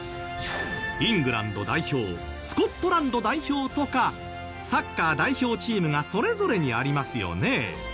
イングランド代表スコットランド代表とかサッカー代表チームがそれぞれにありますよね？